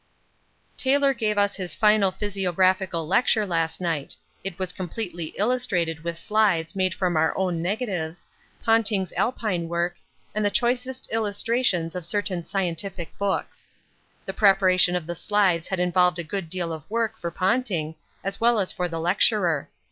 Taylor gave us his final physiographical lecture last night. It was completely illustrated with slides made from our own negatives, Ponting's Alpine work, and the choicest illustrations of certain scientific books. The preparation of the slides had involved a good deal of work for Ponting as well as for the lecturer.